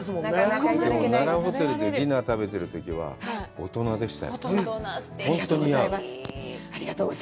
奈良ホテルでディナーを食べてるときは、大人でしたよ。